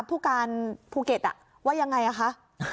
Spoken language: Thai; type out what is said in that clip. ผู้การภูเก็ตอ่ะว่ายังไงอ่ะคะ